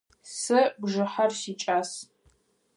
Сэ бжыхьэр сикӏас.